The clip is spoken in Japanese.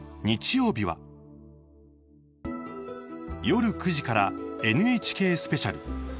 夜９時からＮＨＫスペシャル。